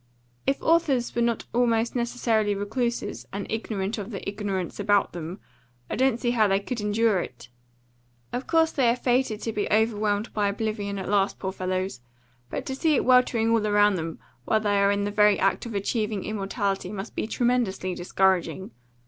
If authors were not almost necessarily recluses, and ignorant of the ignorance about them, I don't see how they could endure it. Of course they are fated to be overwhelmed by oblivion at last, poor fellows; but to see it weltering all round them while they are in the very act of achieving immortality must be tremendously discouraging.